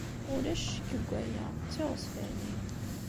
Ulac ccekk deg waya. D tiɣezfanin.